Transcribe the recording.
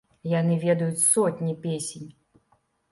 Яны ведаюць сотні песень.